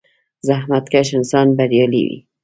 • زحمتکش انسان بریالی وي.